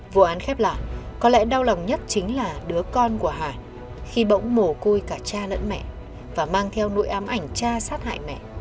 vụ án khép lạ có lẽ đau lòng nhất chính là đứa con của hải khi bỗng mổ cui cả cha nẫn mẹ và mang theo nội ám ảnh cha sát hại mẹ